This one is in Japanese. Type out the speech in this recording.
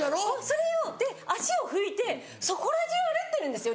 それで足を拭いてそこらじゅう歩ってるんですよ